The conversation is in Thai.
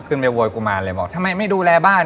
โวยกุมารเลยบอกทำไมไม่ดูแลบ้าน